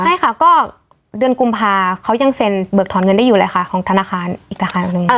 ใช่ค่ะก็เดือนกุมภาเขายังเซ็นเบิกถอนเงินได้อยู่เลยค่ะของธนาคารอีกธนาคารหนึ่ง